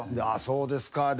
そうですか。